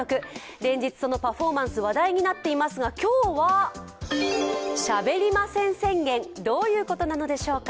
連日、そのパフォーマンスが話題になっていますが今日はしゃべりません宣言、どういうことなのでしょうか？